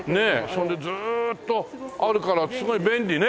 そんでずーっとあるからすごい便利ね。